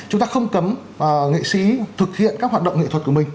chúng ta không cấm nghệ sĩ thực hiện các hoạt động nghệ thuật của mình